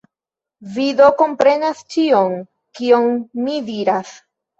Vi do komprenas ĉion, kion mi diras?